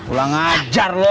ulah ngajar lo